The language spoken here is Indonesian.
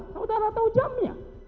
saudara tahu jamnya